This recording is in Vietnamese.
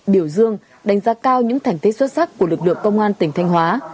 biểu dương đánh giá cao những thành tích xuất sắc của lực lượng công an tỉnh thanh hóa